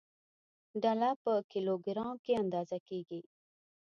ډله په کیلوګرام کې اندازه کېږي.